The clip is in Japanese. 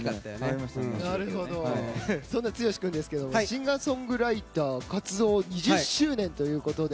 そんな剛君ですがシンガーソングライター活動２０周年ということで。